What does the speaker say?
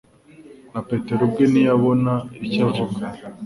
Na Petero ubwe ntiyabona icyo avuga.